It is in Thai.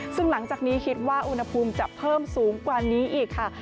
ซึ่งหลังจากนี้คิดว่าอุณหภูมิจะเพิ่มสูงกว่านี้อีกค่ะ